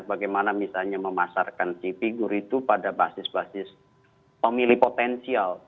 bagaimana misalnya memasarkan si figur itu pada basis basis pemilih potensial